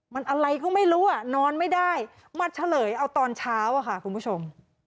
มันอะไรก็ไม่รู้อ่ะนอนไม่ได้มาเฉลยเอาตอนเช้าอะค่ะคุณผู้ชม